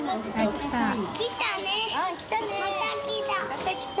またきた。